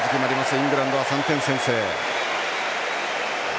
イングランドは３点先制。